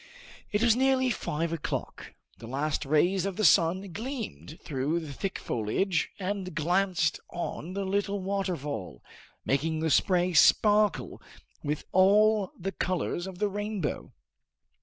It was nearly five o'clock. The last rays of the sun gleamed through the thick foliage and glanced on the little waterfall, making the spray sparkle with all the colors of the rainbow.